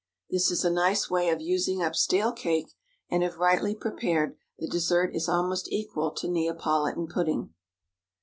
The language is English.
This is a nice way of using up stale cake, and if rightly prepared, the dessert is almost equal to Neapolitan pudding.